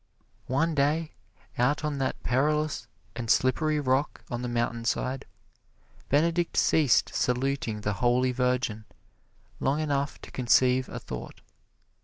One day, out on that perilous and slippery rock on the mountain side, Benedict ceased saluting the Holy Virgin long enough to conceive a thought.